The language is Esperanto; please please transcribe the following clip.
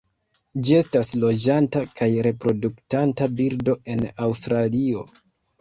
Ĝi estas loĝanta kaj reproduktanta birdo en Aŭstralio.